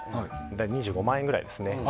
２５万円ぐらいですね。